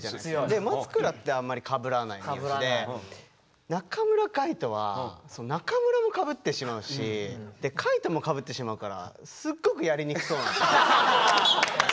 で「松倉」ってあんまりかぶらない名字で中村海人は「中村」もかぶってしまうし「海人」もかぶってしまうからすっごくやりにくそうなんですよね。